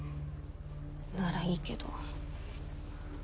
ならいいけど。